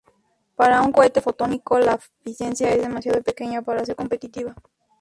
Para un cohete fotónico, la eficiencia es demasiado pequeña para ser competitiva.